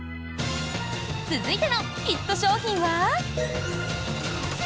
続いてのヒット商品は。